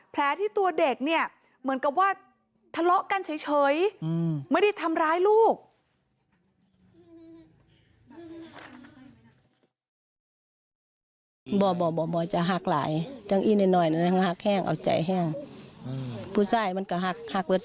แผลที่ตัวเด็กเนี่ยเหมือนกับว่าทะเลาะกันเฉยไม่ได้ทำร้ายลูก